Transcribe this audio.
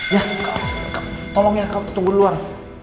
ya tolong ya tunggu duluan